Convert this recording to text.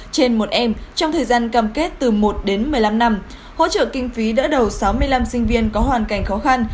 trên một em trong thời gian cam kết từ một đến một mươi năm năm hỗ trợ kinh phí đỡ đầu sáu mươi năm sinh viên có hoàn cảnh khó khăn